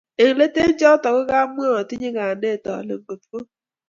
Eng let eng choto che kamwa otinye kayanet ale ngotko